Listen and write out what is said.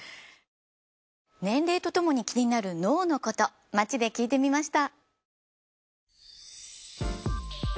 年齢とともに気になる脳のこと街で聞いてみました。